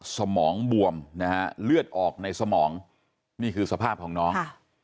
สมองบวมนะฮะเลือดออกในสมองนี่คือสภาพของน้อง